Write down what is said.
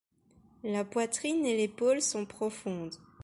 La poitrine et l'épaule sont profondes.